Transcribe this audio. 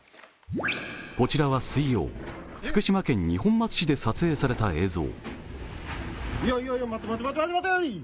こちらは水曜、福島県二本松市で撮影された映像。